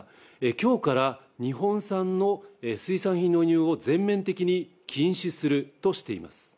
きょうから日本産の水産品の輸入を全面的に禁止するとしています。